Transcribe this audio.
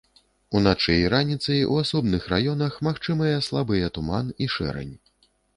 Уначы і раніцай у асобных раёнах магчымыя слабыя туман і шэрань.